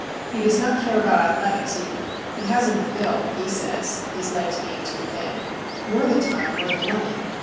He does not care about athletics, either. He hasn't the build, he says (his legs being too thin), nor the time nor the money.